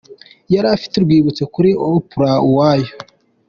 Yari afite urwibutso kuri Oprah Uwoya.